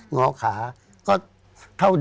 งอขา